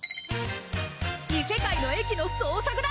異世界の駅の捜索だ！！